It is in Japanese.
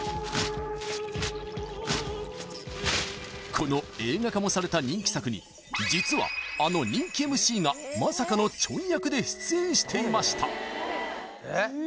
この映画化もされた人気作に実はあの人気ＭＣがまさかのちょい役で出演していました